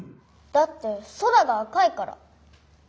だって空が赤いから。